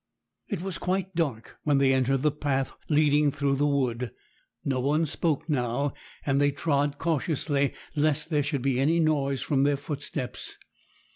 It was quite dark when they entered the path leading through the wood. No one spoke now, and they trod cautiously, lest there should be any noise from their footsteps.